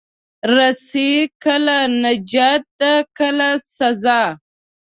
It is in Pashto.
رسۍ کله نجات ده، کله سزا.